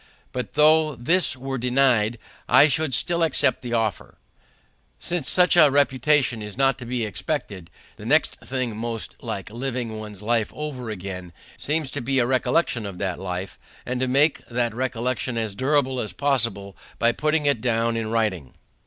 But though this were denied, I should still accept the offer. Since such a repetition is not to be expected, the next thing most like living one's life over again seems to be a recollection of that life, and to make that recollection as durable as possible by putting it down in writing.